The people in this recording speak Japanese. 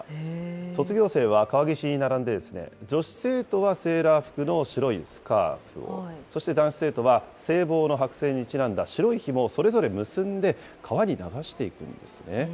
卒業生は川岸に並んで、女子生徒はセーラー服の白いスカーフを、そして男子生徒は制帽の白線にちなんだ白いひもをそれぞれ結んで、川に流していくんですね。